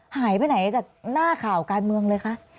หายไปไหนจากหน้าข่าวการเมืองเลยคะ